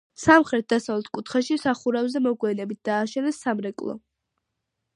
სამხრეთ-დასავლეთ კუთხეში სახურავზე მოგვიანებით დააშენეს სამრეკლო.